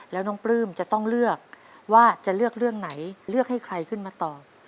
แล้วน้องปลื้มจะต้องเลือกว่าจะเลือกเรื่องไหนเลือกให้ใครขึ้นมาตอบ